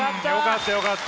よかった！